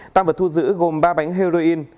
tăng vật thu giữ gồm ba bánh heroin